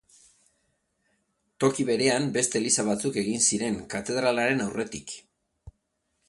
Toki berean beste eliza batzuk egin ziren katedralaren aurretik.